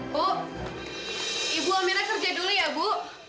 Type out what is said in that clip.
bu ibu mira kerja dulu ya bu